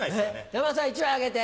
山田さん１枚あげて。